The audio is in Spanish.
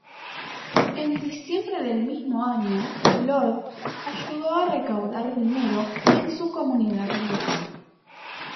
En diciembre del mismo año, Lorde ayudó a recaudar dinero en su comunidad local.